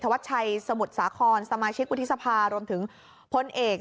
วัดชัยสมุทรสาครสมาชิกวุฒิสภารวมถึงพลเอก